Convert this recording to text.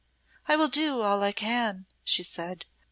"I will do all I can," she said.